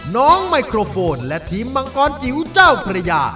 ไมโครโฟนและทีมมังกรจิ๋วเจ้าพระยา